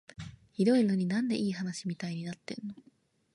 ひどいのに、なんでいい話みたいになってんの？